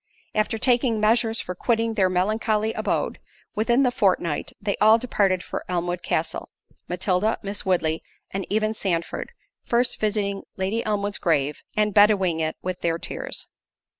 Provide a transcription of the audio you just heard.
——After taking measures for quitting their melancholy abode, within the fortnight, they all departed for Elmwood Castle—Matilda, Miss Woodley, and even Sandford, first visiting Lady Elmwood's grave, and bedewing it with their tears.